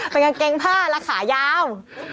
เป็นกางเกงผ้าและขายาว